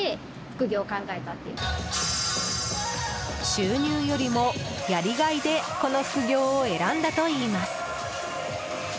収入よりも、やりがいでこの副業を選んだといいます。